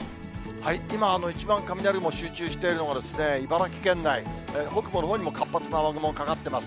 今、一番雷雲、集中しているのはですね、茨城県内、北部のほうにも活発な雨雲がかかってます。